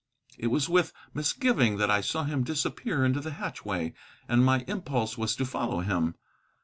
It was with misgiving that I saw him disappear into the hatchway, and my impulse was to follow him.